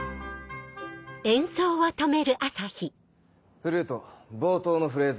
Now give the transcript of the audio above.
フルート冒頭のフレーズ